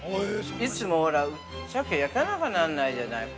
いつも、シャケ、焼かなきゃなんないじゃない。